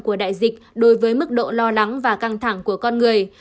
của đại dịch đối với mức độ lo lắng và căng thẳng của con người